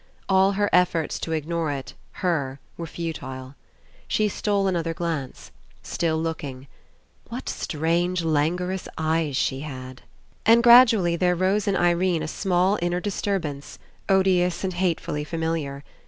All her ef forts to ignore her, it, were futile. She stole another glance. Still looking. What strange languorous eyes she had! And gradually there rose in Irene a small inner disturbance, odious and hatefully familiar.